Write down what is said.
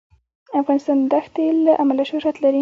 افغانستان د ښتې له امله شهرت لري.